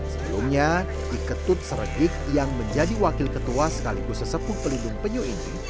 sebelumnya iketut seregik yang menjadi wakil ketua sekaligus sesepuh pelindung penyu ini